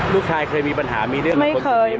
ลูกชายเคยมีปัญหามีเรื่องของคนคุณนี้ไหม